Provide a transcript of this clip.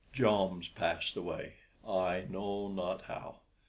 Joms passed away, I know not how.